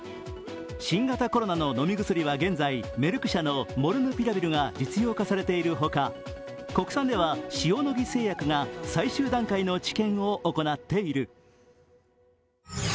新型コロナの飲み薬は現在メルク社のモルヌピラビルが実用化されているほか、国産では塩野義製薬が最終段階の治験を行っている。